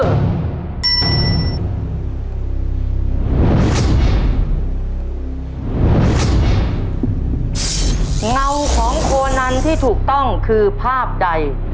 เงาของโคนันที่ถูกต้องคือภาพใด